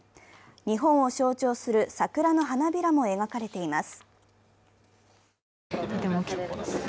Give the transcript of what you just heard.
日本を象徴する桜の花びらも描かれています。